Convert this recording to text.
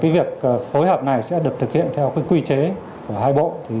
việc phối hợp này sẽ được thực hiện theo quy chế của hai bộ